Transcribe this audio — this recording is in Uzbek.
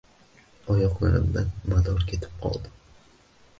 Oyoqlarimdan mador ketib qoldi.